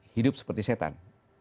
hidup seperti setan